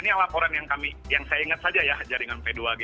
ini laporan yang saya ingat saja ya jaringan p dua g